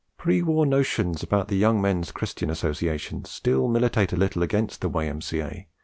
Pre war notions about the Young Men's Christian Association still militate a little against the Y.M.C.A.